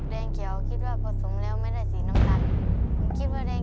ผมตอบแดงเขียวคิดว่าผสมแล้วไม่ได้สีน้ำตัน